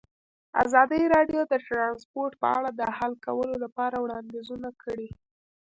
ازادي راډیو د ترانسپورټ په اړه د حل کولو لپاره وړاندیزونه کړي.